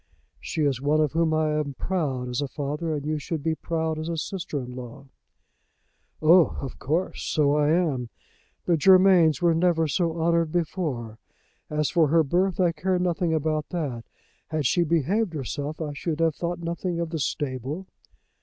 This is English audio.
"She is one of whom I am proud as a father, and you should be proud as a sister in law." "Oh, of course. So I am. The Germains were never so honoured before. As for her birth I care nothing about that. Had she behaved herself, I should have thought nothing of the stable."